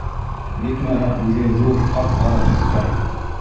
Етмәһә, үҙе ҙур, ҡап-ҡара төҫтә.